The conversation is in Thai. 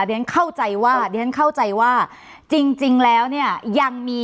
เดี๋ยวฉันเข้าใจว่าจริงแล้วเนี่ย